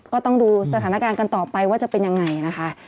ก็ต้องดูสถานการณ์กันต่อไปว่าจะเป็นยังไงนะคะ